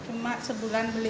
cuma sebulan beli enam belas